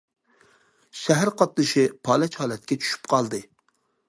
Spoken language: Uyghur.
شەھەر قاتنىشى پالەچ ھالەتكە چۈشۈپ قالدى.